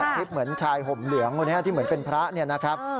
คลิปเหมือนชายห่มเหลืองคนนี้ที่เหมือนเป็นพระเนี่ยนะครับ